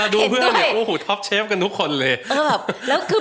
ดูเพื่อน